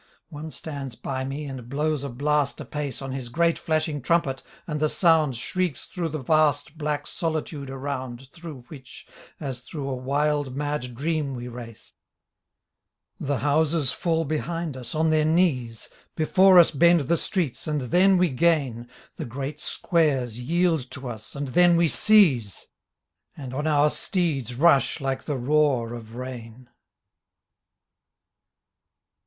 One stands by me and blows a blast apace On his great flashing trumpet and the sound Shrieks through the vast black solitude around Through which, as through a wild mad dream we race. The houses fall behind us on their knees. Before us bend the streets and theiTjwe gain, The great squares yieled to us and theit|we seize — And on our steeds rush like the roar of rain.